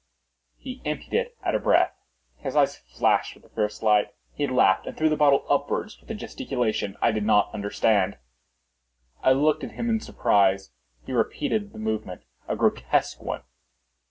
He emptied it at a breath. His eyes flashed with a fierce light. He laughed and threw the bottle upwards with a gesticulation I did not understand. I looked at him in surprise. He repeated the movement—a grotesque one.